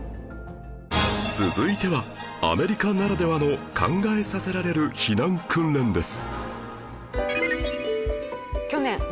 続いてはアメリカならではの考えさせられる避難訓練です